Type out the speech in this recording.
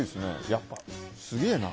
やっぱすげえな。